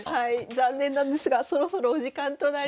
残念なんですがそろそろお時間となります。